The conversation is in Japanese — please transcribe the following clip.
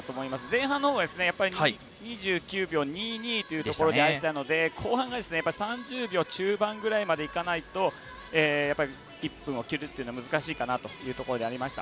前半のほうが２９秒２２というところを出したので後半が３０秒中盤ぐらいまでいかないとやっぱり１分を切るというのは難しいかなというところでありました。